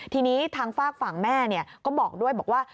ทีนี้ทางฝากฝั่งแม่ก็บอกด้วยบอกว่า